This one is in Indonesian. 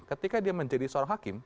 ketika dia menjadi seorang hakim